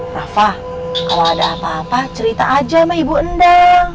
rafa kalau ada apa apa cerita aja sama ibu endang